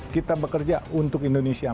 kita bekerja untuk indonesia